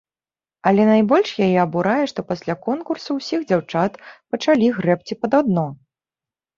Але найбольш яе абурае, што пасля конкурсу ўсіх дзяўчат пачалі грэбці пад адно.